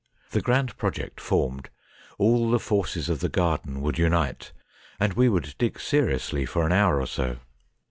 The grand project formed, all the forces of the garden would unite, and we would dig seriously for an hour or so.